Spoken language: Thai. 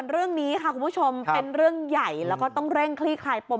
เรื่องนี้ค่ะคุณผู้ชมเป็นเรื่องใหญ่แล้วก็ต้องเร่งคลี่คลายปม